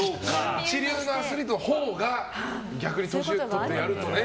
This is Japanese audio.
一流のアスリートのほうが逆に年をとってやるとね。